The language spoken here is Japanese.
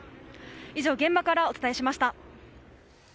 以上、現場からお伝えしました。